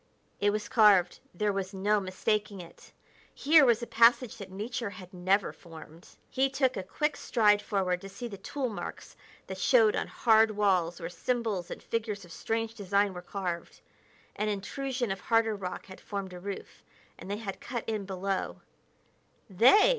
It was carved; there was no mistaking it! Here was a passage that nature had never formed. He took a quick stride forward to see the tool marks that showed on hard walls where symbols and figures of strange design were carved. An intrusion of harder rock had formed a roof, and they had cut in below "They!"